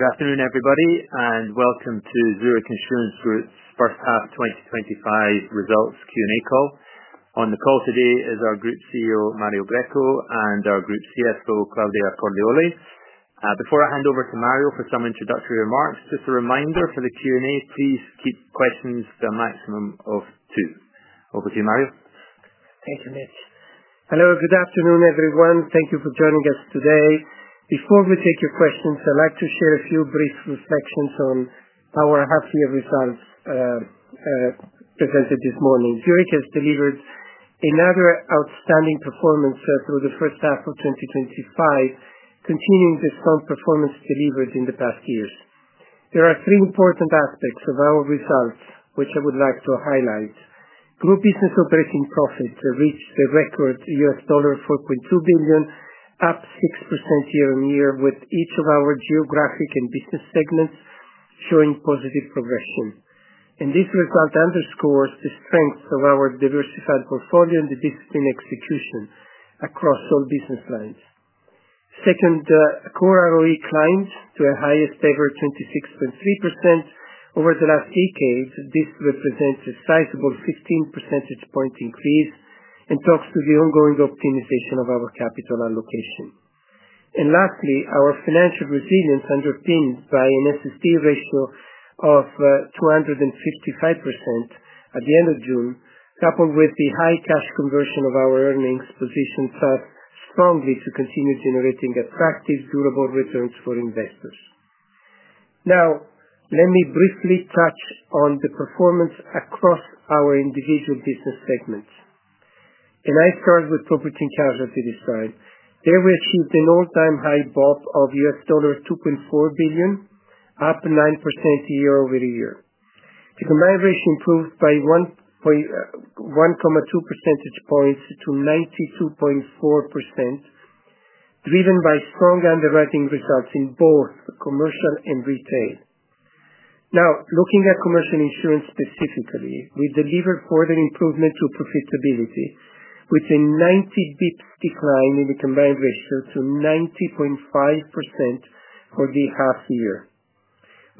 Good afternoon, everybody, and welcome to Zurich Insurance Group's first half 2025 results Q&A call. On the call today is our Group CEO, Mario Greco, and our Group CFO, Claudia Cordioli. Before I hand over to Mario for some introductory remarks, just a reminder for the Q&A, please keep questions to a maximum of two. Over to you, Mario Thank you, Mitch. Hello, good afternoon, everyone. Thank you for joining us today. Before we take your questions, I'd like to share a few brief reflections on our half-year results presented this morning. Zurich has delivered another outstanding performance through the first half of 2025, continuing the strong performance delivered in the past years. There are three important aspects of our results which I would like to highlight. Group business operating profits have reached a record $4.2 billion, up 6% year on year with each of our geographic and business segments showing positive progressions. This result underscores the strength of our diversified portfolio and the disciplined execution across all business lines. Second, core ROE climbs to a highest ever 26.3% over the last decade. This represents a sizable 15 percentage point increase and talks to the ongoing optimization of our capital allocation. Lastly, our financial resilience underpinned by an SST ratio of 255% at the end of June, coupled with the high cash conversion of our earnings, positions us strongly to continue generating attractive, durable returns for investors. Now, let me briefly touch on the performance across our individual business segments. I start with operating profit for this time. There was an all-time high bump of $2.4 billion, up 9% year-over-year. The combined ratio improved by 1.2 percentage points to 92.4%, driven by strong underwriting results in both commercial and retail. Now, looking at commercial insurance specifically, we delivered further improvement to profitability with a 90 basis point decline in the combined ratio to 90.5% for the half year.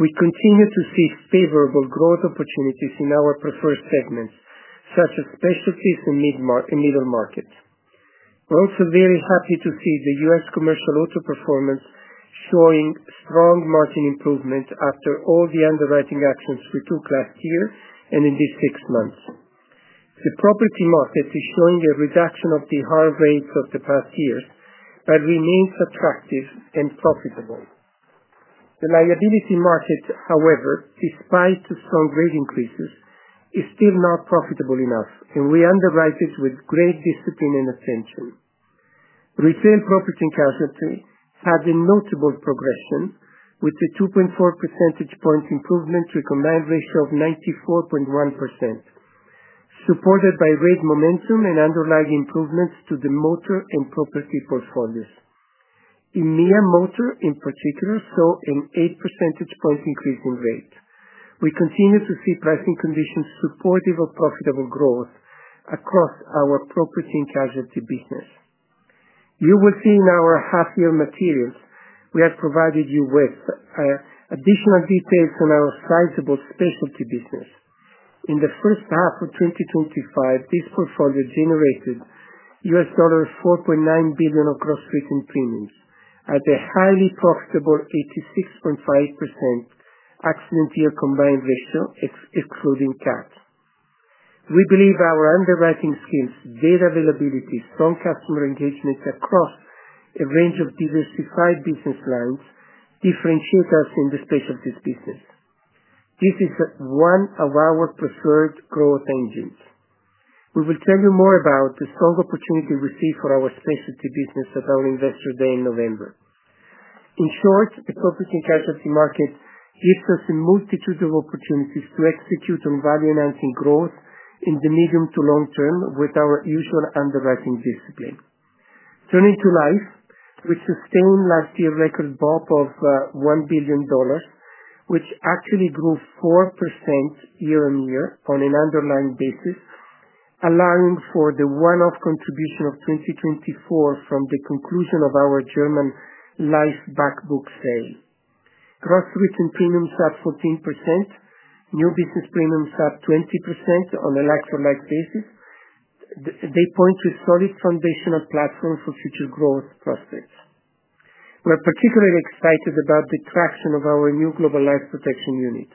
We continue to see favorable growth opportunities in our preferred segments, such as specialties in the middle market. We're also very happy to see the U.S. commercial auto performance showing strong margin improvement after all the underwriting actions we took last year and in these six months. The property market is showing a reduction of the high rates of the past years, but remains attractive and profitable. The liability market, however, despite the strong rate increases, is still not profitable enough, and we underwrite this with great discipline and attention. Retail property & casualty had a notable progression with a 2.4 percentage point improvement to a combined ratio of 94.1%, supported by rate momentum and underlying improvements to the motor and property portfolios. In motor, in particular, saw an 8% increase in rate. We continue to see pricing conditions supportive of profitable growth across our property & casualty business. You will see in our half-year materials we have provided you with additional details on our sizable specialty business. In the first half of 2025, this portfolio generated $4.9 billion of gross written premiums at a highly profitable 86.5% excellent year combined ratio, excluding CAC. We believe our underwriting skills, data availability, strong customer engagement across a range of diversified business lines differentiate us in the space of this business. This is one of our preferred growth engines. We will tell you more about the strong opportunity we see for our specialty business at our investor day in November. In short, the property & casualty market gives us a multitude of opportunities to execute on value-enhancing growth in the medium to long term with our usual underwriting discipline. Turning to life, which sustained last year's record bump of $1 billion, which actually grew 4% year on year on an underlying basis, allowing for the one-off contribution of 2024 from the conclusion of our German life back book sale. Gross written premiums up 14%, new business premiums up 20% on an underlying basis. They point to a solid foundational platform for future growth prospects. We're particularly excited about the traction of our new global life protection unit.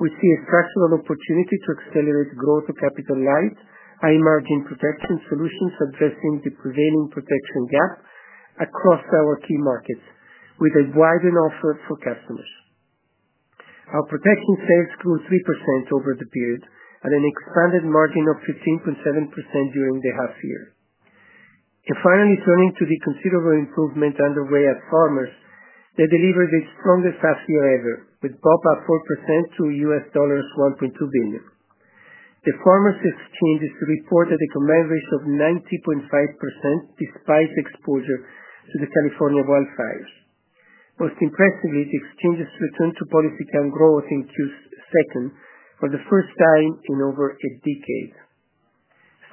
We see a substantial opportunity to accelerate growth of capital-light, high margin protection solutions addressing the prevailing protection gap across our key markets with a widened offer for customers. Our protection sales grew 3% over the period at an expanded margin of 15.7% during the half year. Finally, turning to the considerable improvement underway at Farmers, they delivered a stronger first half year ever with bump up 4% to $1.2 billion. The Farmers Exchanges report a combined ratio of 90.5% despite the exposure to the California wildfires. Most impressively, the Exchanges' return to policy growth increased for the first time in over a decade.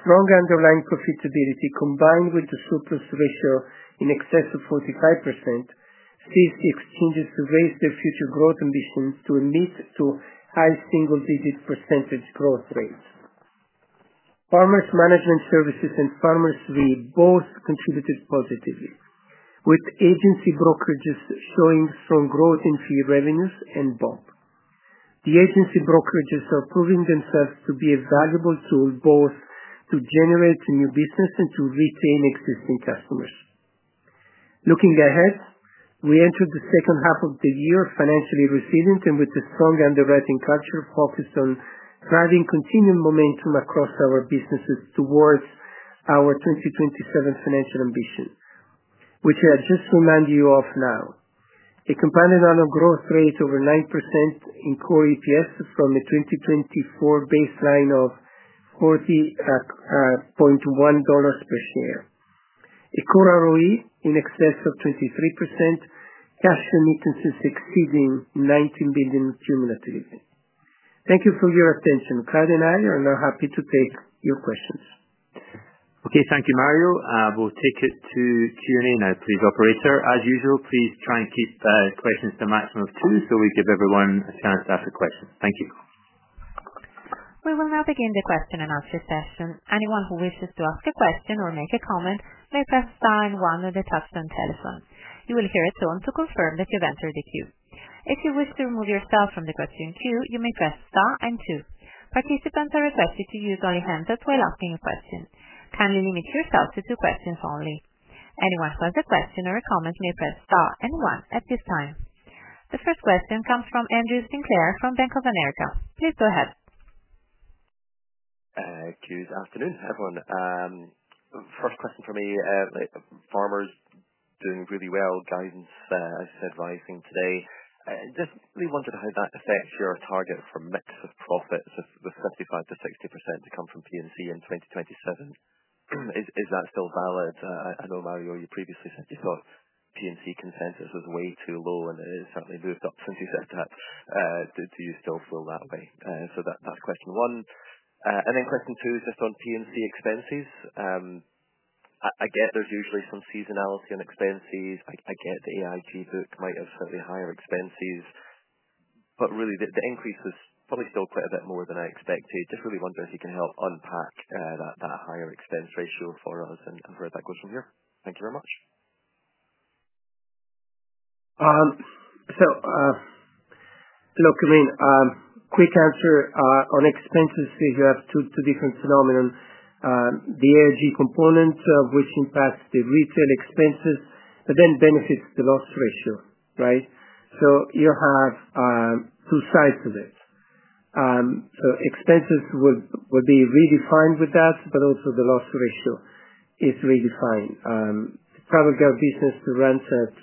Strong underlying profitability combined with the surplus ratio in excess of 45% sees the Exchanges raise their future growth ambitions to a mid to high single digit percentage growth rate. Farmers Management Services and Farmers Re both contributed positively, with agency brokerages showing strong growth in fee revenues and bump. The agency brokerages are proving themselves to be a valuable tool both to generate new business and to retain existing customers. Looking ahead, we entered the second half of the year financially resilient and with the strong underwriting culture focused on driving continued momentum across our businesses towards our 2027 financial ambition, which I just remind you of now. A compound annual growth rate over 9% in core EPS from a 2024 baseline of $40.1 per share. A core ROE in excess of 23%, cash remittances exceeding $19 billion cumulatively. Thank you for your attention. Claudia and I are now happy to take your questions. Okay, thank you, Mario. We'll take it to Q&A now, please, operator. As usual, please try and keep the questions to a maximum of two so we give everyone a chance to ask a question. Thank you. We will now begin the question-and-answer session. Anyone who wishes to ask a question or make a comment may press star one on the touch-tone telephone. You will hear a tone to confirm that you've entered the queue. If you wish to remove yourself from the question queue, you may press star and queue. Participants are requested to use all your hands as well as asking a question. Kindly limit yourself to two questions only. Anyone who has a question or a comment may press star and one at this time. The first question comes from Andrew Sinclair from Bank of America. Please go ahead. Good afternoon, everyone. First question for me, Farmers doing really well. Dines as advising today. I just really wondered how that affects your target for mixed profits, the 45-60% to come from P&C in 2027. Is that still valid? I know, Mario, you previously said you thought P&C consensus was way too low and it certainly moved up since you said that. Do you still feel that way? That's question one. The second question is just on P&C expenses. I get there's usually some seasonality on expenses. I get the AIG book might have slightly higher expenses. Really, the increase was probably still quite a bit more than I expected. Just really wonder if you can help unpack that higher expense ratio for us and where that goes from here. Thank you very much. Look, I mean, quick answer on expenses, you have two different phenomena. The AIG component impacts the retail expenses, but then benefits the loss ratio, right? You have two sides of it. Expenses would be redefined with that, but also the loss ratio is redefined. The travel business runs at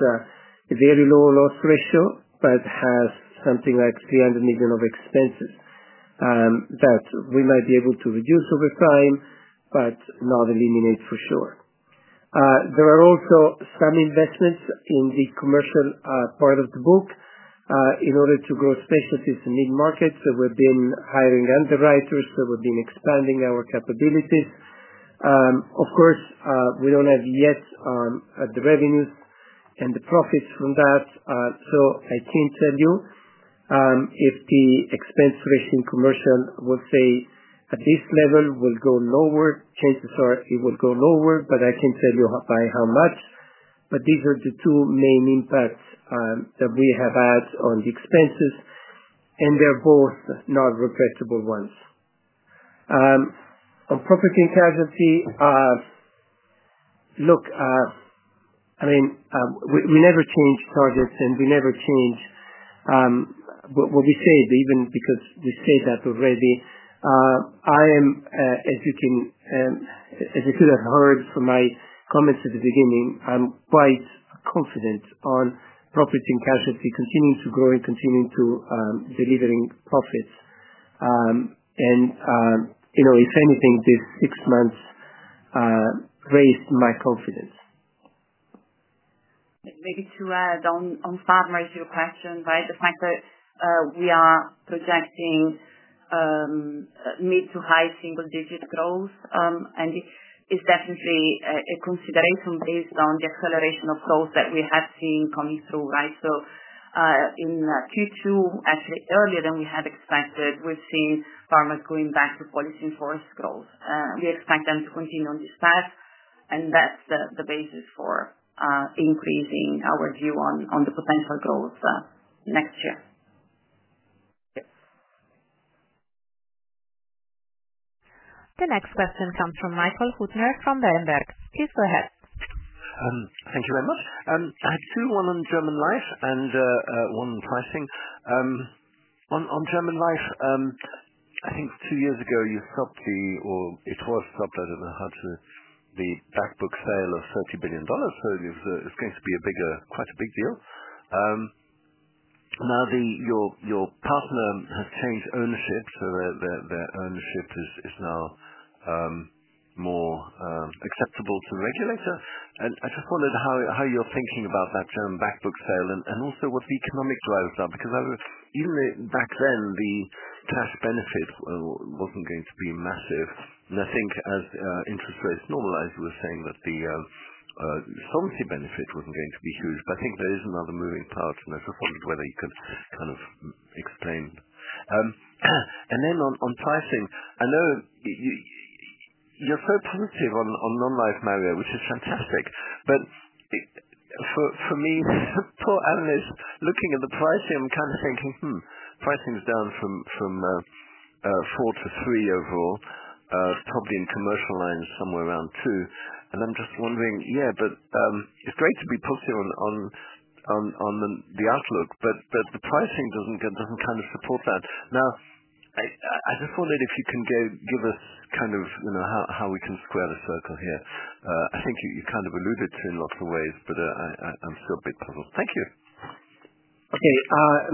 a very low loss ratio, but has something like $300 million of expenses that we might be able to reduce over time, but not eliminate for sure. There are also some investments in the commercial part of the book in order to grow specialties in mid-market. We've been hiring underwriters, we've been expanding our capabilities. Of course, we don't have yet the revenues and the profits from that. I can't tell you if the expense ratio in commercial will stay at this level or will go lower. Chances are it will go lower, but I can't tell you by how much. These are the two main impacts that we have had on the expenses, and they're both not replaceable ones. On property & casualty, I mean, we never change targets and we never change what we say, even because you said that already. I am, as you could have heard from my comments at the beginning, quite confident on property & casualty continuing to grow and continuing to deliver profits. If anything, this six months raised my confidence. Maybe to add on Farmers your question, the fact that we are projecting mid to high single-digit growth, and it's definitely a consideration based on the acceleration of growth that we have seen coming through. In Q2, actually earlier than we had expected, we've seen Farmers going back to policy in-force growth. We expect them to continue on this path, and that's the basis for increasing our view on the potential growth next year. The next question comes from Michael Hutner from Vontobel. Please go ahead. Thank you very much. I had two, one on German life and one on pricing. On German life, I think two years ago you felt the, or it was felt, I don't know how to, the back book sale of $40 billion. It's going to be a bigger, quite a big deal. Now being your partner has changed ownership, so their ownership is now more acceptable to the regulator. I just wondered how you're thinking about that German back book sale and also what the economic drivers are, because even back then, the tax benefit wasn't going to be massive. I think as interest rates normalize, we're saying that the solvency benefit wasn't going to be huge. I think there is another moving part, and I just wondered whether you could kind of explain. On pricing, I know you're so positive on non-life, Mario, which is fantastic. For me, as a thought analyst, looking at the pricing, I'm kind of thinking, pricing is down from 4% to 3% overall, probably in commercial lines somewhere around 2%. I'm just wondering, yeah, it's great to be positive on the outlook, but the pricing doesn't kind of support that. I just wondered if you can give us kind of how we can square the circle here. I think you've kind of alluded to it in lots of ways, but I'm still a bit puzzled. Thank you. Okay.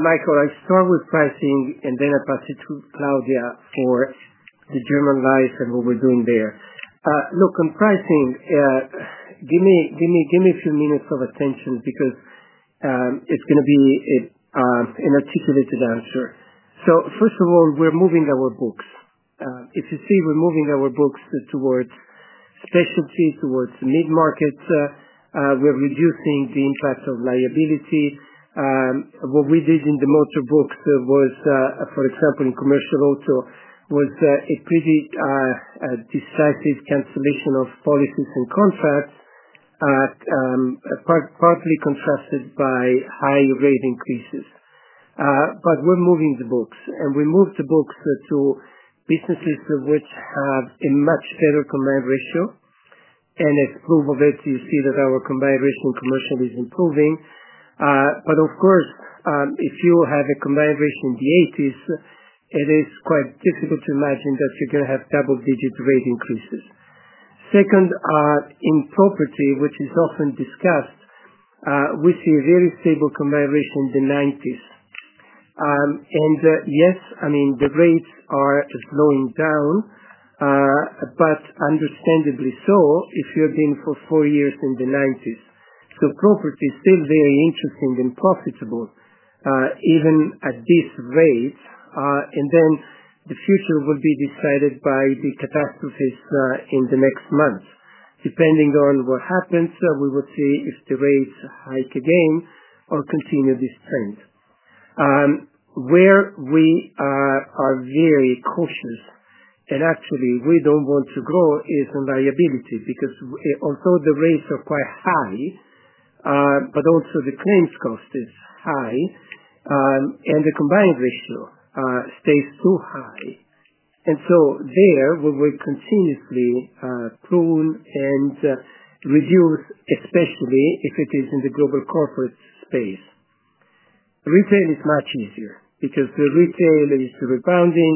Michael, I start with pricing, and then I pass it to Claudia for the German life and what we're doing there. Look, on pricing, give me a few minutes of attention because it's going to be an articulated answer. First of all, we're moving our books. As you see, we're moving our books towards specialty, towards mid-markets. We're reducing the impacts of liability. What we did in the motor book, there was, for example, in commercial auto, a pretty decisive cancellation of policies and contracts, partly contrasted by high rate increases. We're moving the books, and we move the books to businesses which have a much better combined ratio. As proof of it, you see that our combined rate in commercial is improving. Of course, if you have a combined rate in the 80s, it is quite difficult to imagine that you're going to have double-digit rate increases. Second, in property, which is often discussed, we see a very stable combined rate in the 90s. Yes, the rates are slowing down, but understandably so if you've been for four years in the 90s. Property is still very interesting and profitable, even at this rate. The future will be decided by the catastrophes in the next month. Depending on what happens, we would see if the rates hike again or continue this trend. Where we are very cautious, and actually we don't want to grow, is on liability because although the rates are quite high, the claims cost is high, and the combined ratio stays too high. There we will continuously prune and reduce, especially if it is in the global corporate space. Retail is much easier because the retail is rebounding,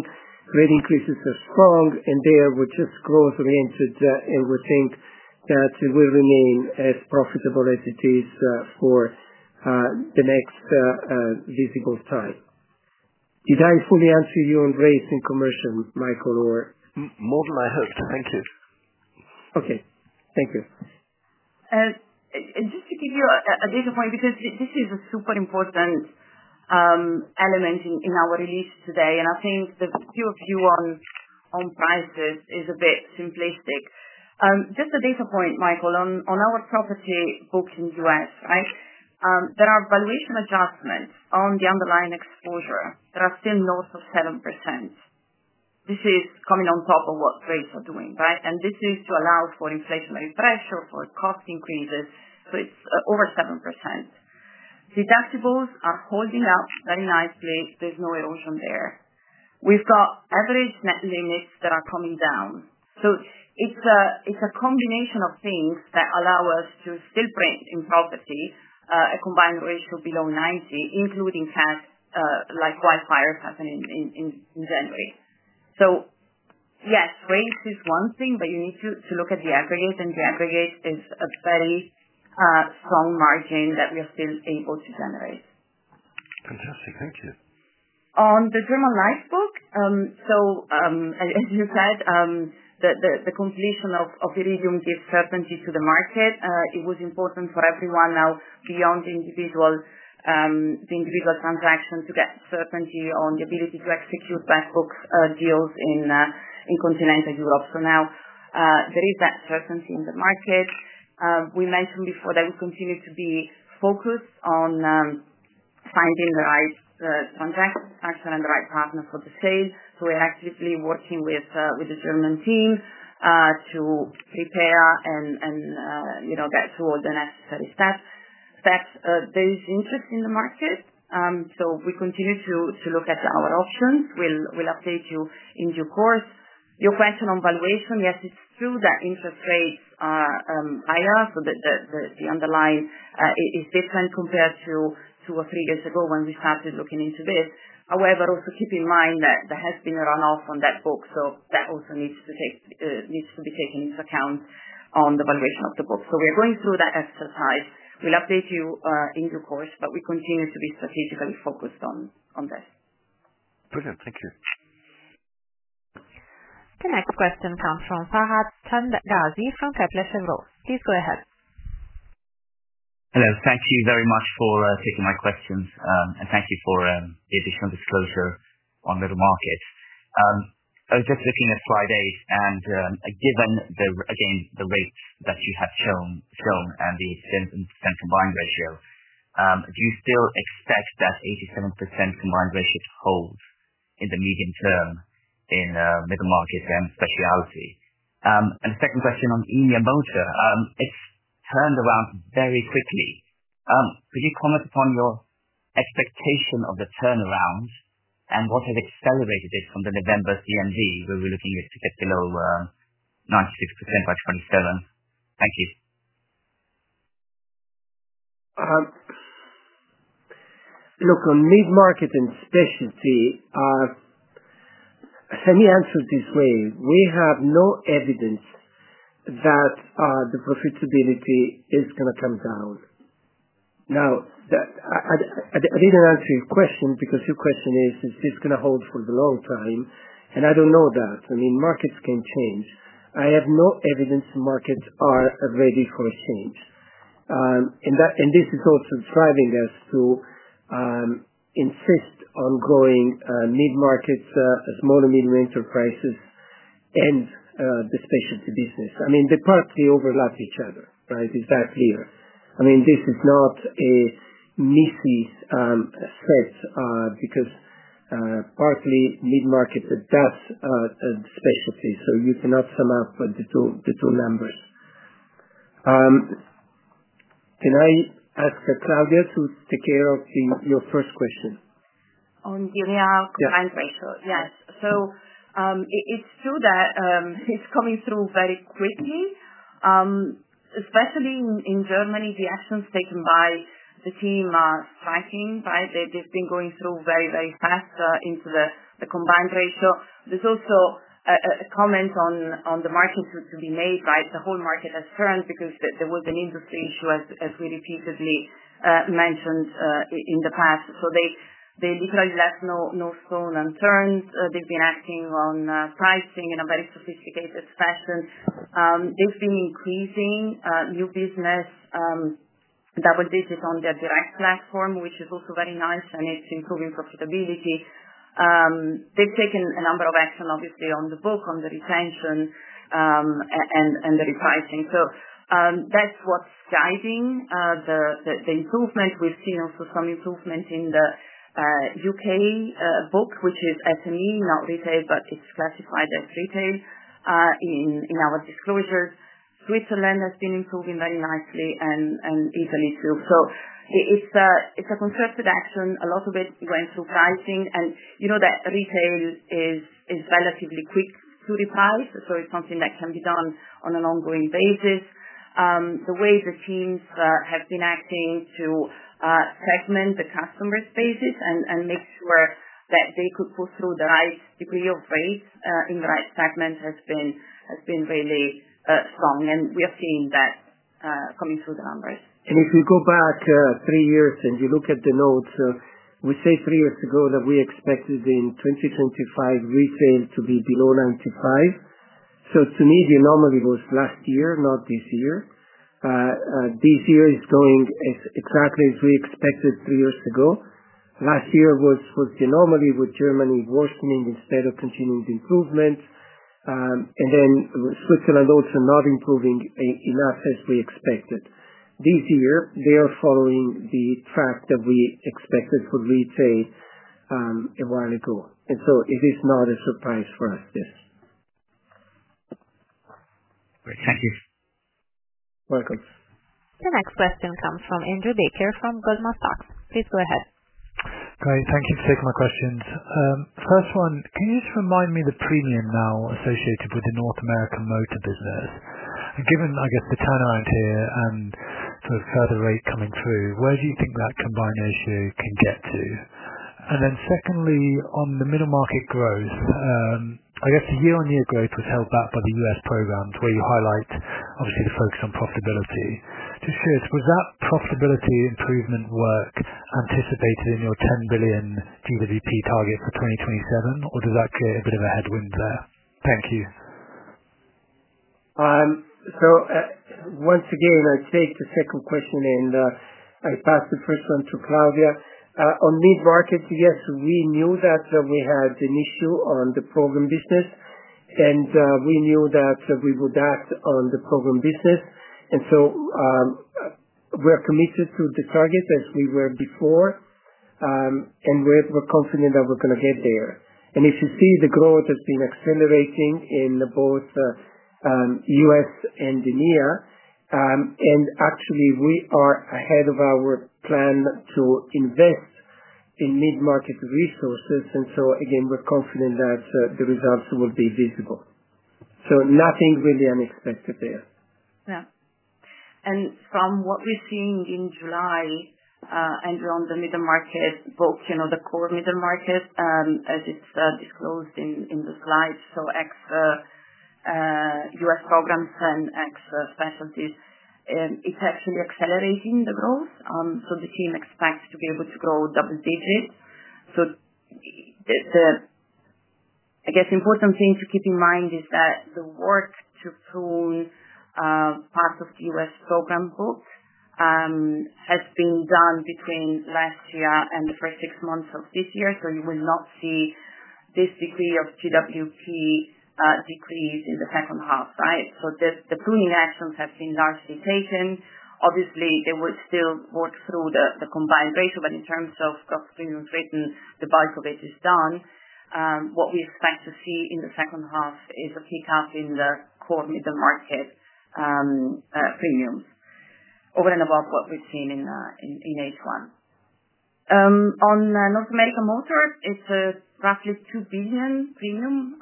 rate increases are strong, and there we're just growth-oriented where we think that we remain as profitable as it is for the next visible time. Did I fully answer you on rate in commercial, Michael, or? More than I hope. Thank you. Okay, thank you. Just to give you a data point, because this is a super important element in our release today, I think the view of you on prices is a bit simplistic. Just a data point, Michael, on our property book in the U.S., right? There are valuation adjustments on the underlying exposure that are still north of 7%. This is coming on top of what trades are doing, right? This is to allow for inflationary pressure for cost increases. It's over 7%. Deductibles are holding up very nicely. There's no erosion there. We've got average net limits that are coming down. It's a combination of things that allow us to still print in property a combined ratio below 90, including facts like wildfires happening in January. Rate is one thing, but you need to look at the aggregate, and the aggregate is a very strong margin that we are still able to generate. Fantastic. Thank you. On the German life book, as you said, the completion of the region gives certainty to the market. It was important for everyone now beyond the individual transaction to get certainty on the ability to execute backbook deals in continental Europe. Now there is that certainty in the market. We mentioned before that we continue to be focused on finding the right transaction and the right partner for the sale. We're actively working with the German team to prepare and get through all the necessary steps. There is interest in the market. We continue to look at our options. We'll update you in due course. Your question on valuation, yes, it's true that interest rates are higher, so the underlying is different compared to two or three years ago when we started looking into this. However, also keep in mind that there has been a runoff on that book, so that also needs to be taken into account on the valuation of the book. We're going through that exercise. We'll update you in due course, but we continue to be strategically focused on this. Brilliant. Thank you. The next question comes from Fahad Changazi from Kepler Cheuvreux. Please go ahead. Hello. Thank you very much for taking my questions, and thank you for the additional disclosure on middle markets. I was just looking at Friday's, and given the, again, the rates that you have shown and the 87% combined ratio, do you still expect that 87% combined ratio to hold in the medium term in middle markets and specialty? A second question on India Motor. It's turned around very quickly. Could you comment upon your expectation of the turnaround and what has accelerated this from the November CMV where we're looking to get below 96% by 2027? Thank you. Look, on mid-market and specialty, let me answer it this way. We have no evidence that the profitability is going to come down. Now, I didn't answer your question because your question is, is this going to hold for the long time? I don't know that. Markets can change. I have no evidence the markets are ready for a change. This is also driving us to insist on going mid-markets, smaller mid-range of prices, and the specialty business. The parts overlap each other, right? It's that clear. This is not a niche set, because, partly mid-market adapts as a specialty. You cannot sum up the two numbers. Can I ask Claudia to take care of your first question? On the combined ratio, yes. It's true that it's coming through very quickly, especially in Germany. The actions taken by the team are striking, right? They've been going through very, very fast into the combined ratio. There's also a comment on the market to be made, right? The whole market has turned because there was an industry issue, as we repeatedly mentioned in the past. They literally left no stone unturned. They've been acting on pricing in a very sophisticated fashion. It's been increasing new business, double digits on their direct platform, which is also very nice, and it's improving profitability. They've taken a number of actions, obviously, on the book, on the retention, and the repricing. That's what's driving the improvement. We've seen also some improvement in the U.K. book, which is SME, not retail, but it's classified as retail in our disclosures. Switzerland has been improving very nicely and easily too. It's a consistent action, a lot of it going through pricing. You know that retail is relatively quick to revise. It's something that can be done on an ongoing basis. The way the teams have been acting to segment the customer spaces and make sure that they could push through the right degree of rate in the right segment has been really strong. We are seeing that coming through the numbers. If you go back three years and you look at the notes, we say three years ago that we expected in 2025 retail to be below 95%. To me, the anomaly was last year, not this year. This year is going exactly as we expected three years ago. Last year was the anomaly with Germany worsening instead of continuing the improvement, and then Switzerland also not improving enough as we expected. This year, they are following the track that we expected for retail a while ago, and it is not a surprise for us, this. Thank you, Welcome. The next question comes from Andrew Baker from Goldman Sachs. Please go ahead. Great. Thank you for taking my questions. First one, can you just remind me the premium now associated with the North American motor doors? Given, I guess, the turnaround here and sort of further rates coming through, where do you think that combined ratio can get to? Secondly, on the middle market growth, I guess the year-on-year growth was held back by the U.S. programs where you highlight, obviously, the focus on profitability. Just curious, was that profitability improvement work anticipated in your $10 billion GWP target for 2027, or does that create a bit of a headwind there? Thank you. Once again, I take the second question and I pass the first one to Claudia. On mid-markets, yes, we knew that we had an issue on the program business, and we knew that we would act on the program business. We're committed to the target as we were before, and we're confident that we're going to get there. If you see, the growth has been accelerating in both U.S. and EMEA, and actually, we are ahead of our plan to invest in mid-market resources. We're confident that the results will be visible. Nothing really unexpected there. Yeah. From what we're seeing in July, Andrew, on the middle market book, you know the core middle market, as it's disclosed in the slides, so ex-U.S. programs and ex-specialties, it's actually accelerating the growth. The team expects to be able to grow double digits. I guess the important thing to keep in mind is that the work to tune part of the U.S. program book has been done between last year and the first six months of this year. You will not see this degree of GWP decrease in the second half, right? The pruning actions have been largely taken. Obviously, they will still work through the combined ratio, but in terms of cost premiums, the bulk of it is done. What we expect to see in the second half is a kick-off in the core middle market premiums, over and above what we've seen in H1. On North American motor, it's a roughly $2 billion premium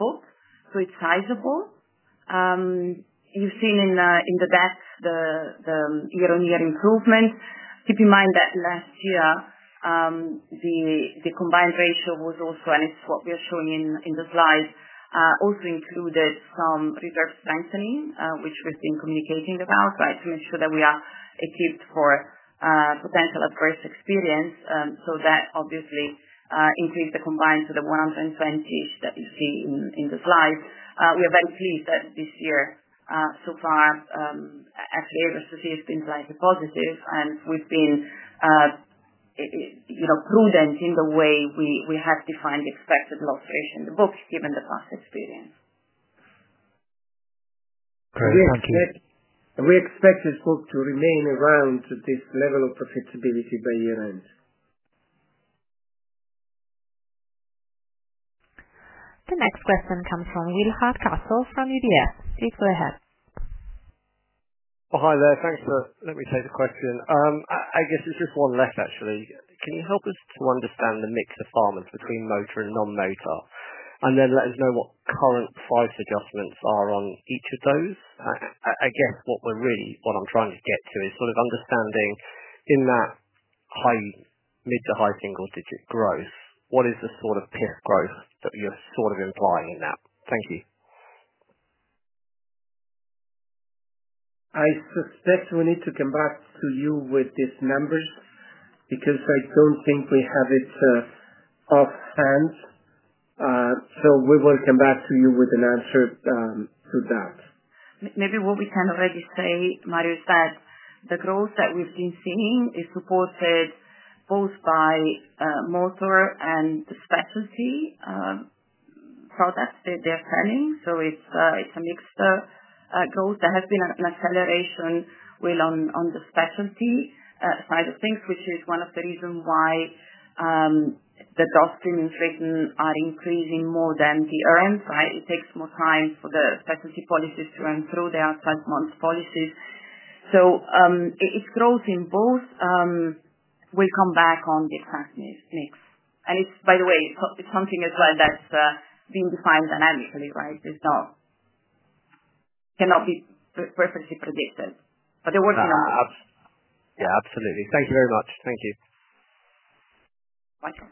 book, so it's sizable. You've seen in the best year-on-year improvement. Keep in mind that last year, the combined ratio was also, and it's what we are showing in the slides, also included some reverse banking, which we've been communicating about, right, to make sure that we are equipped for potential adverse experience. That obviously increased the combined to the 120s that you see in the slide. We eventually said this year, so far, actually, the analysis has been slightly positive, and we've been prudent in the way we have defined the expected loss rate in the book, given the past experience. Great. Thank you. We expect this book to remain around to this level of profitability by year-end. The next question comes from Will Hardcastle from UBS. Please go ahead. Oh, hi there. Thanks for letting me take the question. I guess there's just one left, actually. Can you help us to understand the mix of Farmers between motor and non-motor, and then let us know what current price adjustments are on each of those? I guess what I'm really, what I'm trying to get to is sort of understanding in that high mid to high single digit growth, what is the sort of peak growth that you're sort of implying in that? Thank you. I suspect we need to come back to you with these numbers because I don't think we have it offhand. We will come back to you with an answer to that. Maybe what we can already say, Mario, is that the growth that we've been seeing is supported both by motor and the specialty products they're selling. It's a mixed growth that has been an acceleration on the specialty side of things, which is one of the reasons why the gross premiums are increasing more than the RMs, right? It takes more time for the specialty policies to run through. They are 12-month policies. It's growth in both. We come back on this next. It's, by the way, something as well that's been defined dynamically, right? It cannot be perfectly predicted. They're working on that. Yeah, absolutely. Thank you very much. Thank you. Welcome.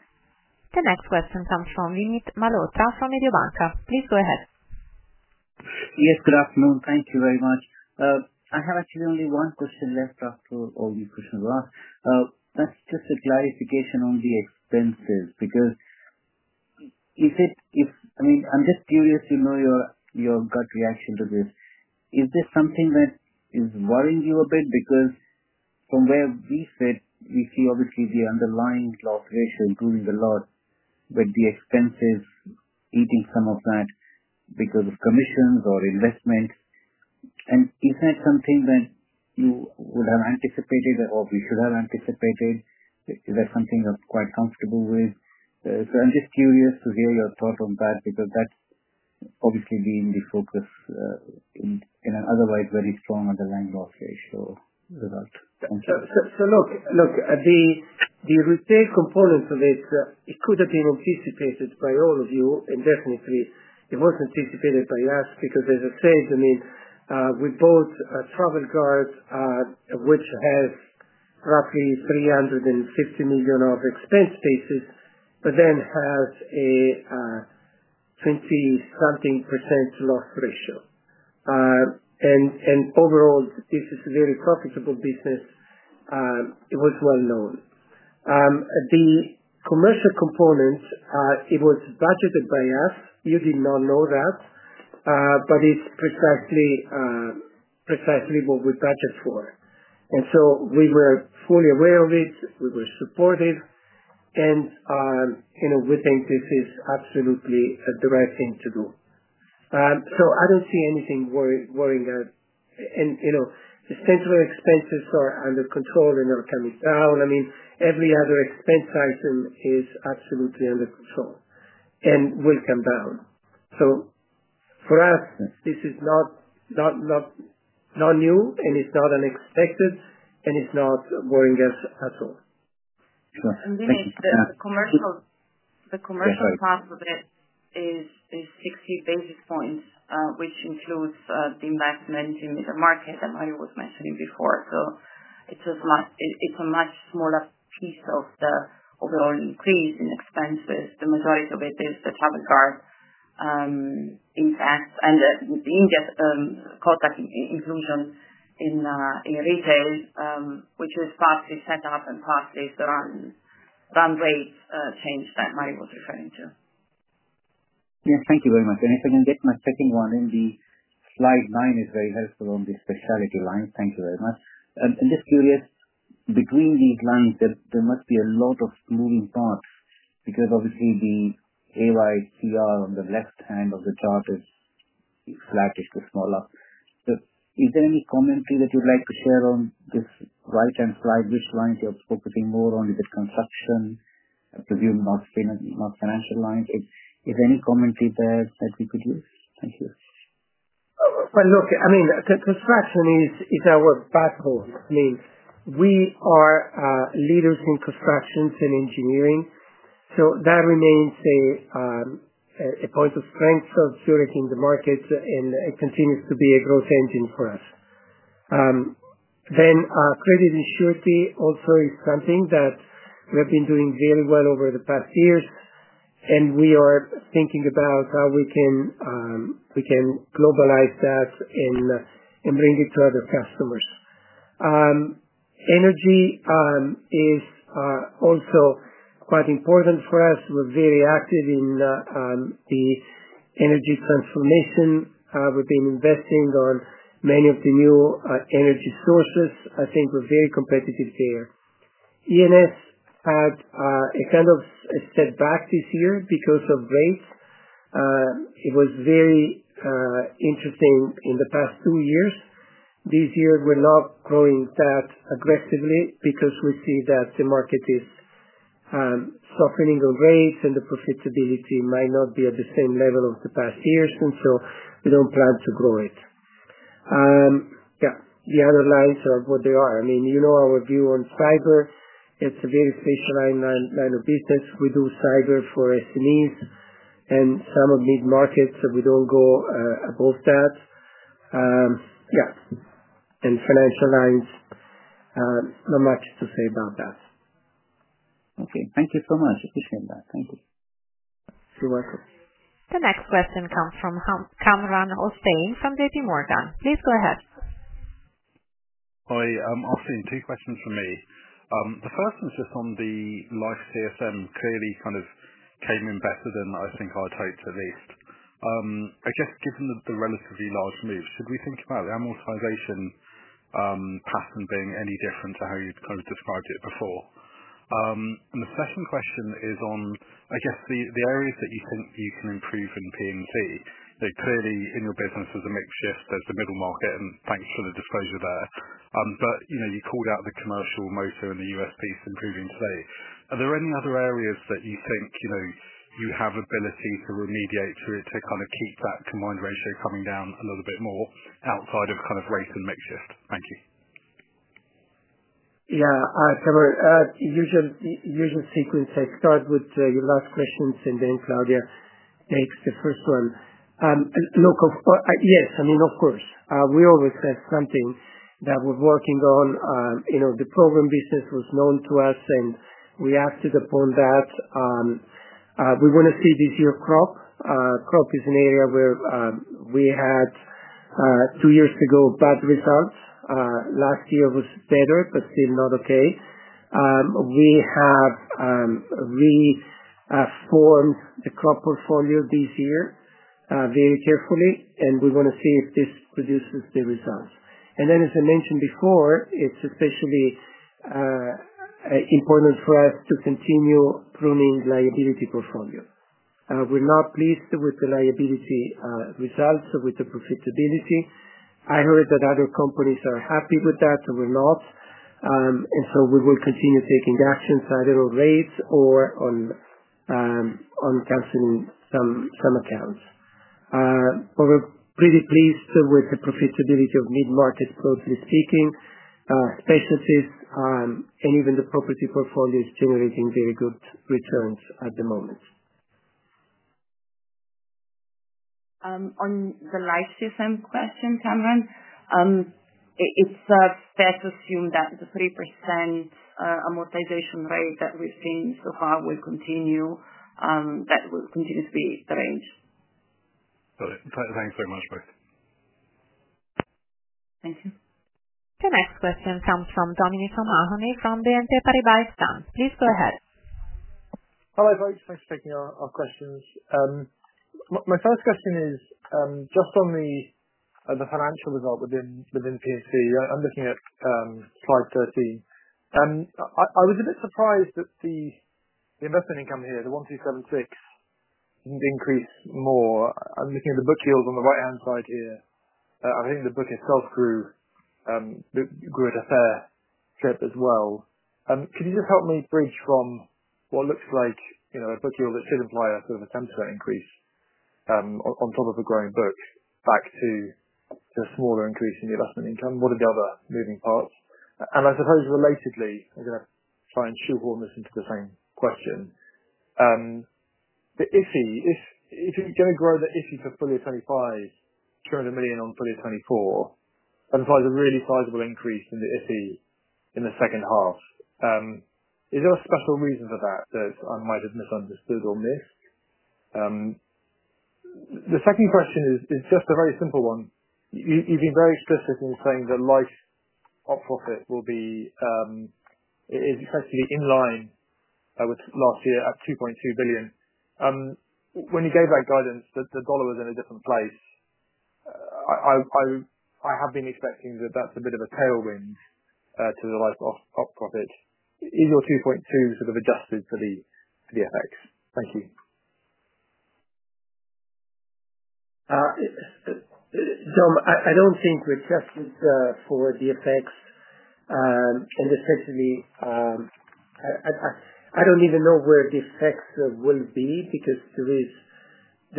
The next question comes from Vinit Malhotra from Mediobanca. Please go ahead. Yes, good afternoon. Thank you very much. I have actually only one question left after all you questioned last. That's just a clarification on the expenses because if it, if I mean, I'm just curious to know your gut reaction to this. Is this something that is worrying you a bit? Because from where we sit, you see obviously the underlying loss ratio is doing a lot, but the expenses eating some of that because of commissions or investment. Is that something that you would have anticipated or you should have anticipated? Is that something you're quite comfortable with? I'm just curious to hear your thoughts on that because that's obviously been the focus in an otherwise very strong underlying loss ratio. Look, the retail component of it could have been anticipated by all of you, and definitely it was anticipated by us because as I said, I mean, we bought a travel guard, which has roughly $350 million of expense basis, but then has a 20-something percent loss ratio. Overall, this is a very profitable business. It was well known. The commercial component was budgeted by us. You did not know that, but it's precisely what we budget for. We were fully aware of it. We were supportive. We think this is absolutely the right thing to do. I don't see anything worrying us. Sustainable expenses are under control and are coming down. Every other expense item is absolutely under control and will come down. For us, this is not new and it's not unexpected and it's not worrying us at all. The commercial part of it is 60 basis points, which includes the investment in the market I was mentioning before. It's a much smaller piece of the overall increase in expenses. The majority of it is the travel guard, and with the India product inclusion in retail, which was partly set up and partly done by the change that Mario was referring to. Yes, thank you very much. If I can get my second one in, the slide nine is very helpful on the specialty line. Thank you very much. I'm just curious, between these lines, there must be a lot of moving parts because obviously the KYCR on the left-hand of the chart is slightly smaller. Is there any commentary that you'd like to share on this right-hand slide, which line you're focusing more on, the construction, the view of the market financial line? Is there any commentary there that we could use? Thank you. Construction is our backbone. We are leaders in construction and engineering. That remains a point of strength of Zurich Insurance Group in the market, and it continues to be a growth engine for us. Credit insurance also is something that we have been doing very well over the past years. We are thinking about how we can globalize that and bring it to other customers. Energy is also quite important for us. We're very active in the energy transformation. We've been investing in many of the new energy sources. I think we're very competitive there. ENS had a kind of a setback this year because of rates. It was very interesting in the past two years. This year, we're not growing that aggressively because we see that the market is softening of rates and the profitability might not be at the same level of the past years. We don't plan to grow it. The other lines are what they are. You know our view on fiber. It's a very special line of business. We do fiber for SMEs and some of mid-market, so we don't go above that. Financial lines, not much to say about that. Okay. Thank you so much. Appreciate that. Thank you. You're welcome. The next question comes from [Cameron Austin] from J.P. Morgan. Please go ahead. Hi. Austin, three questions for me. The first one is just on the life TSM, clearly kind of came in better than I think I'd hoped at least. I guess given the relatively large move, should we think about the amortization pattern being any different to how you'd kind of described it before? The second question is on, I guess, the areas that you think you can improve in P&C. Clearly, in your business, there's a mixture. Yes, there's the middle market, and thanks for the disclosure there. You called out the commercial motor and the U.S. piece improving today. Are there any other areas that you think you have ability to remediate through to kind of keep that combined ratio coming down a little bit more outside of rates and mixtures? Thank you. Yeah. Usually, usual sequence. I start with your last questions and then Claudia takes the first one. Look, yes, I mean, of course. We always have something that we're working on. You know, the program business was known to us and we acted upon that. We want to see this year crop. Crop is an area where we had two years ago bad results. Last year was better, but still not okay. We have reformed the crop portfolio this year very carefully, and we want to see if this produces the results. As I mentioned before, it's especially important for us to continue pruning liability portfolio. We're not pleased with the liability results or with the profitability. I heard that other companies are happy with that, and we're not. We will continue taking actions, either on rates or on canceling some accounts. We're pretty pleased with the profitability of mid-market, broadly speaking, businesses, and even the property portfolio is generating very good returns at the moment. On the life CSM question, Cameron, it's fair to assume that the 3% amortization rate that we've seen so far will continue, that will continue to be the range. Got it. Thanks very much, both. Thank you. The next question comes from Dominic O'Mahony from BNP Paribas Exane. Please go ahead. Hello both. Thanks for taking our questions. My first question is just on the financial result within P&C. I'm looking at slide 30, and I was a bit surprised that the investment income here, the $1,276 million, didn't increase more. I'm looking at the book yield on the right-hand side here. I think the book itself grew a fair trip as well. Could you just help me bridge from what looks like, you know, a book yield that should imply a sort of a 10% increase on top of a growing book back to the smaller increase in the investment income? What are the other moving parts? I suppose relatedly, I'm going to try and shoehorn this into the same question. If you're going to grow the, if you fulfill your 25s, $200 million on fully of 2024, and it's a really sizable increase in the, if you, in the second half. Is there a special reason for that that I might have misunderstood or missed? The second question is just a very simple one. You've been very consistent in saying the life profit will be, is effectively in line with last year at $2.2 billion. When you gave that guidance, the dollar was in a different place. I have been expecting that that's a bit of a tailwind to the life profit, even your $2.2 billion sort of adjusted for the effects. Thank you. I don't think we're just for the effects. On the effects of the, I don't even know where the effects will be because there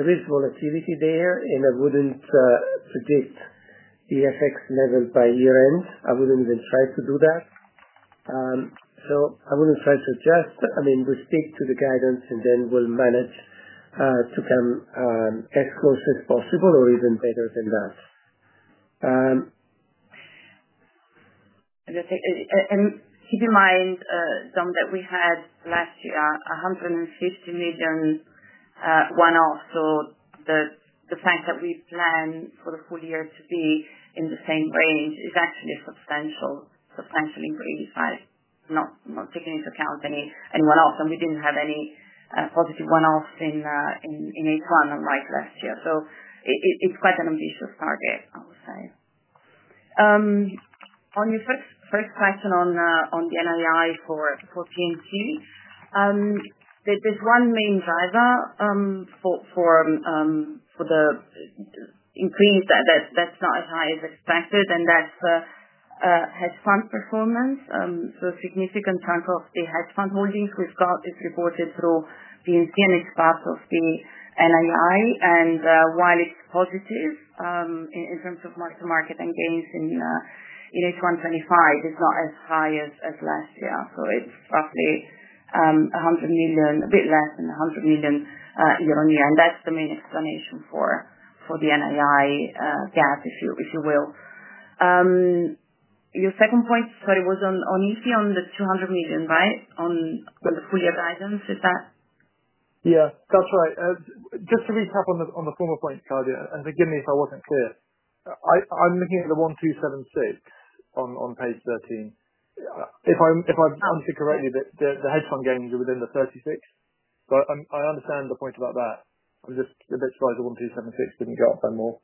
is volatility there, and I wouldn't predict the effects level by year-end. I wouldn't even try to do that. I wouldn't try to adjust. I mean, we stick to the guidance and then we'll manage to come as close as possible or even better than that. Keep in mind, John, that we had last year $150 million one-offs. The fact that we plan for the full year to be in the same range is actually a substantial increase. I'm not taking into account any one-offs. We didn't have any positive one-offs in H1 like last year. It's quite an ambitious target, I would say. On your first question on the NLI for P&C, there's one main driver for the increase that's not as high as expected, and that's hedge fund performance. A significant chunk of the hedge fund holdings was reported through P&C and is part of the NLI. While it's positive in terms of market and gains in H1 2025, it's not as high as last year. It's roughly $100 million, a bit less than $100 million year-on-year. That's the main explanation for the NLI gap, if you will. Your second point, sorry, was on ET on the $200 million, right? On the full-year guidance, is that? Yeah, that's right. Just to recap on the former point, Claudia, and forgive me if I wasn't clear. I'm looking at the $1,276 on page 13. If I'm understood correctly, the hedge fund gains are within the $36. I understand the point about that. I'm just a bit surprised the $1,276 didn't go up anymore.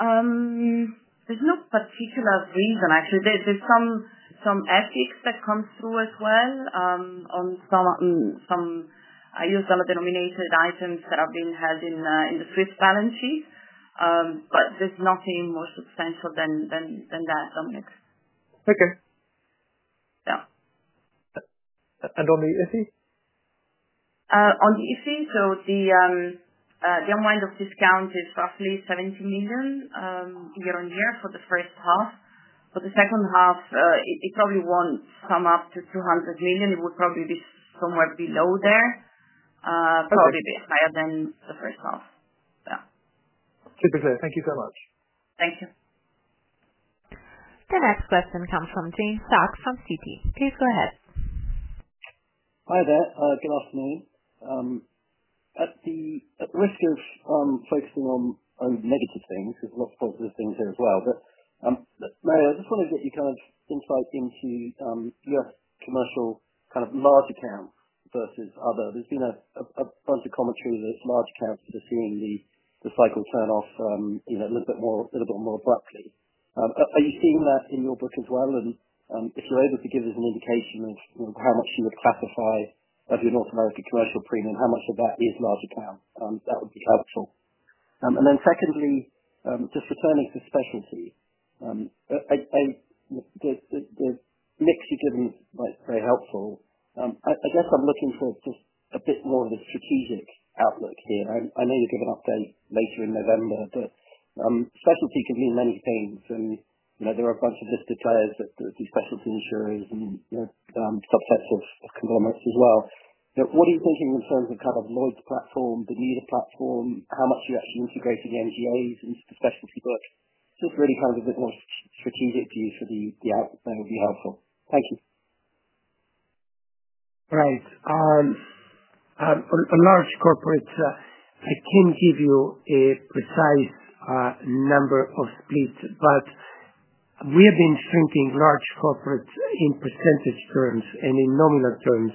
Yeah. There's no particular reason, actually. There's some ethics that comes through as well. On some, I use dollar-denominated items that have been held in the Swiss balance sheet, but there's nothing more substantial than that. Okay. Yeah. On the ET? On the ET, the online of discount is roughly $70 million year-on-year for the first half. For the second half, it probably won't sum up to $200 million. It would probably be somewhere below there, probably a bit higher than the first half. Yeah. Super. Thank you so much. Thank you. The next question comes from James Stack from Citi. Please go ahead. Hi there. Good afternoon. At the risk of focusing on only negative things, there's lots of positive things here as well. Mario, I just want to get your kind of insight into your commercial kind of large account versus other. There's been a bunch of commentary that it's large accounts that are seeing the cycle turn off a little bit more, a little bit more abruptly. Are you seeing that in your book as well? If you're able to give us an indication of how much you would classify of your North American growth for premium, how much of that is large account, that would be helpful. Secondly, just the kind of specialty. The mix you've given is very helpful. I guess I'm looking for just a bit more of a strategic outlook here. I know you'll give an update later in November, but specialty can mean many things. There are a bunch of listed players that do specialty insurers and stock books of conglomerates as well. What are you thinking in terms of kind of Lloyd's platform, the need of platform, how much you're integrating MGOs into the specialty book? Feel free to keep it for you should the output then would be helpful. Thank you. Right. A large corporate, I can give you a precise number of splits, but we have been shrinking large corporates in percentage terms and in nominal terms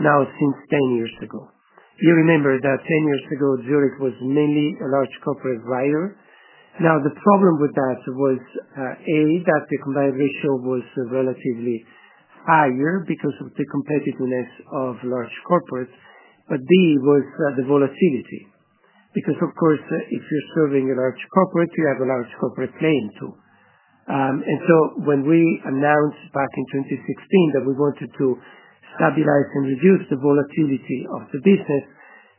now since 10 years ago. You remember that 10 years ago, Zurich Insurance Group was mainly a large corporate buyer. The problem with that was, A, that the combined ratio was relatively higher because of the competitiveness of large corporates, but B, was the volatility. Because, of course, if you're serving a large corporate, you have a large corporate playing too. When we announced back in 2016 that we wanted to stabilize and reduce the volatility of the business,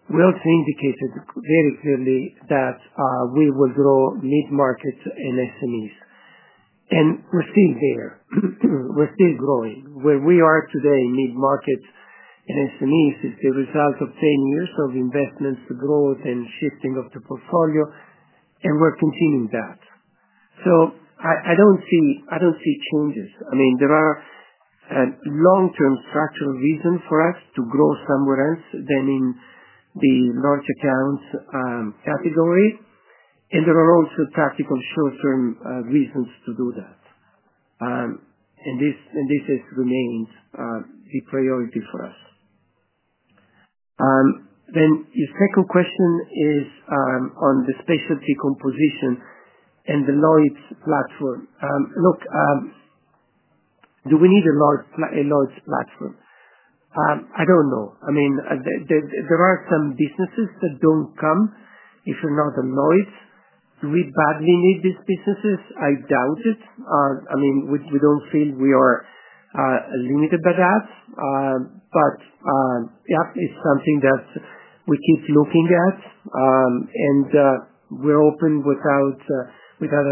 we also indicated very clearly that we will grow mid-markets and SMEs. We're seeing here, we're still growing. Where we are today in mid-markets and SMEs is the result of 10 years of investments, growth, and shifting of the portfolio, and we're continuing that. I don't see changes. There are long-term structural reasons for us to grow somewhere else than in the large accounts category. There are also practical short-term reasons to do that. This remains a priority for us. Your second question is on the specialty composition and the Lloyd's platform. Look, do we need a Lloyd's platform? I don't know. There are some businesses that don't come if you're not a Lloyd's. Do we badly need these businesses? I doubt it. We don't feel we are limited by that. That is something that we keep looking at. We're open without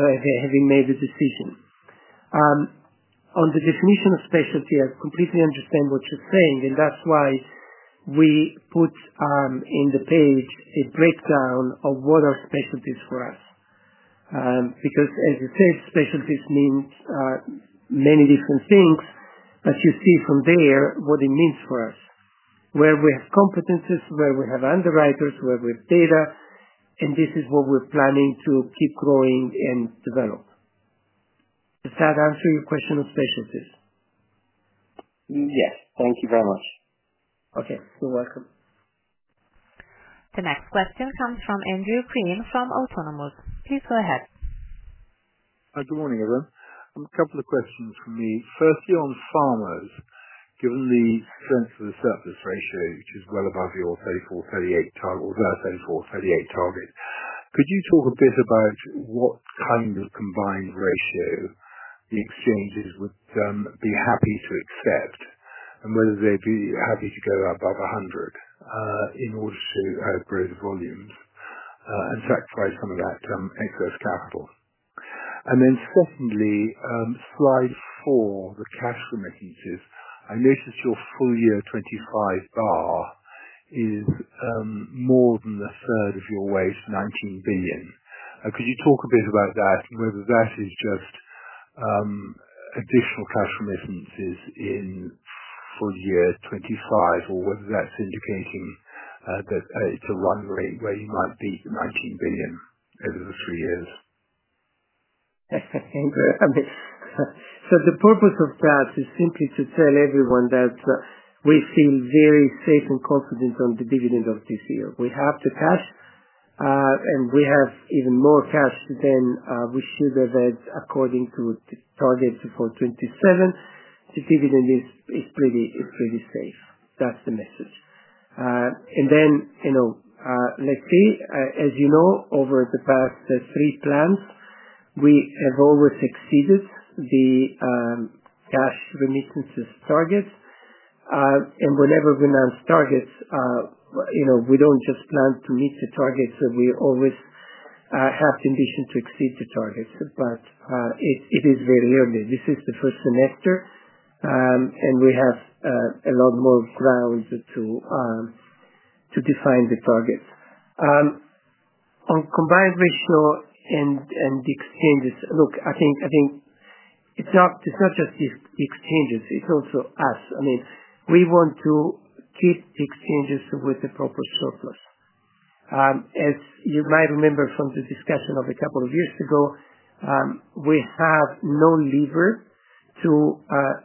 having made a decision. On the definition of specialty, I completely understand what you're saying. That's why we put in the page a breakdown of what are specialties for us. As I said, specialties mean many different things. As you see from there, what it means for us, where we have competencies, where we have underwriters, where we have data, and this is what we're planning to keep growing and develop. Does that answer your question of specialties? Yes, thank you very much. Okay, you're welcome. The next question comes from [Andrew Priem] from Autonomous. Please go ahead. Good morning, everyone. A couple of questions from me. Firstly, on Farmers, given the transfer service ratio, which is well above your pay for 38 target, could you talk a bit about what kind of combined ratio the insurers would be happy to accept and whether they'd be happy to go above 100% in order to have greater volumes and to actualize some of that excess capital? Secondly, slide four, the cash remittances. I noticed your full year 2025 bar is more than a third of your way, $19 billion. Could you talk a bit about that and whether that is just additional cash remittances in full year 2025 or whether that's indicating that it's a run rate where you might beat the $19 billion over the three years? Okay. The purpose of that is simply to tell everyone that we've been very safe and comfortable from the dividend of this year. We have the cash, and we have even more cash than we should have had according to the target for 2027. The dividend is pretty safe. That's the message. As you know, over the past three plans, we have always exceeded the cash remittances target. Whenever we announce targets, you know, we don't just plan to meet the targets, so we always have the ambition to exceed the targets. It is very early. This is the first semester, and we have a lot more flowers to define the targets. On combined risk and the Farmers Exchanges, look, I think it's not just the Farmers Exchanges. It's also us. I mean, we want to keep the Farmers Exchanges with the proper surplus. As you might remember from the discussion of a couple of years ago, we have no lever to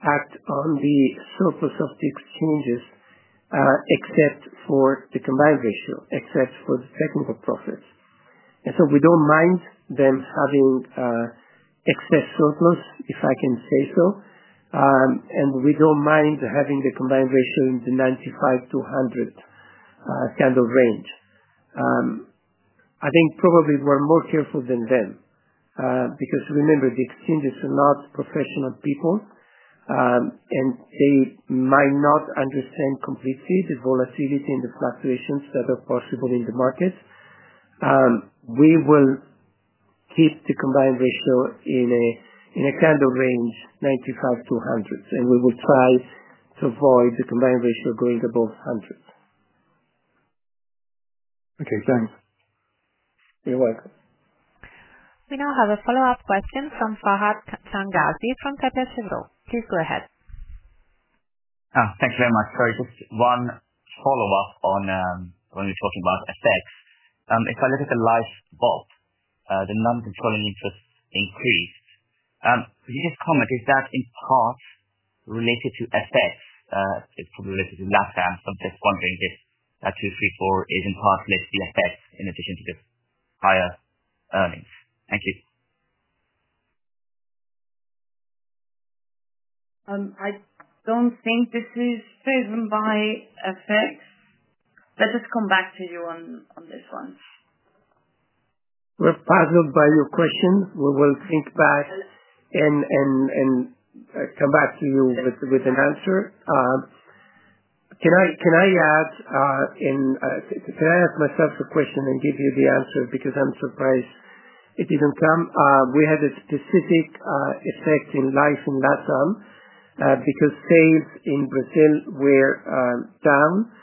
act on the surplus of the Farmers Exchanges except for the combined ratio, except for the technical profits. We don't mind them having excess surplus, if I can say so. We don't mind having the combined ratio in the 95-100 kind of range. I think probably we're more careful than them. Because remember, the Farmers Exchanges are not professional people, and they might not understand completely the volatility and the fluctuations that are possible in the markets. We will keep the combined ratio in a kind of range 95-100. We will try to avoid the combined ratio going above 100. Okay. Thanks. You're welcome. We now have a follow-up question from Farhad Changazi from Kepler Cheuvreux. Please go ahead. Thank you very much. Just one follow-up on when you're talking about effects. If I look at the life book, the non-controlling interest increased. Could you just comment, is that in part related to effects? It's probably related to lockdown. I'm just wondering if that $234 is in part related to the effects in addition to the higher earnings. Thank you. I don't think this is driven by effects. Let us come back to you on this one. We're flattered by your questions. We will think back and come back to you with an answer. Can I add myself the question and give you the answer because I'm surprised it didn't come? We had a specific effect in life in lockdown because sales in retail were down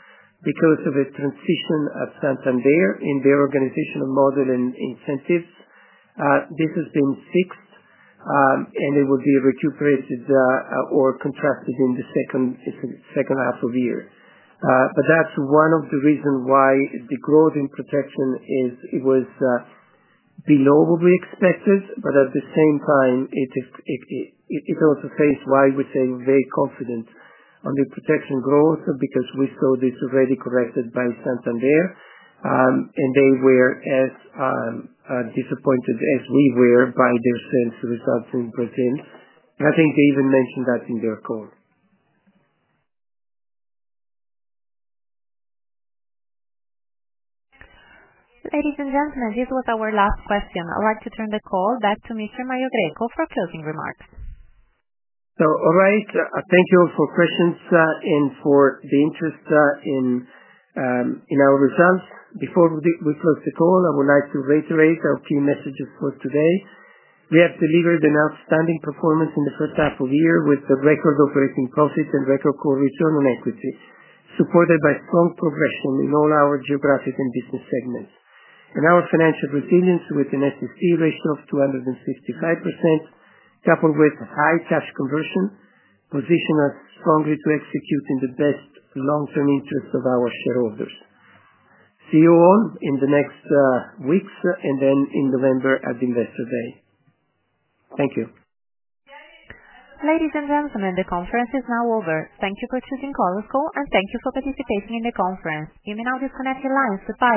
because of the transition of Santander in their organizational model and incentives. This has been fixed, and it will be recuperated or contracted in the second half of the year. That is one of the reasons why the growth in protection is it was below what we expected. At the same time, it is also the case why we're very confident on the protection growth because we saw this already corrected by Santander. They were as disappointed as we were by their sales results in Brazil. I think they even mentioned that in their call. Ladies and gentlemen, this was our last question. I'd like to turn the call back to Mr. Mario Greco for closing remarks. All right. Thank you all for questions and for the interest in our results. Before we close the call, I would like to reiterate our key messages for today. We have delivered an outstanding performance in the first half of the year with a record operating profit and record core return on equity, supported by strong progression in all our geographic and business segments. Our financial resilience with an SST rate of 255%, coupled with high cash conversion, positions us strongly to execute in the best long-term interests of our shareholders. See you all in the next weeks and then in November at the Investor Day. Thank you. Ladies and gentlemen, the conference is now over. Thank you for choosing Call & Co, and thank you for participating in the conference. You may now disconnect your lines.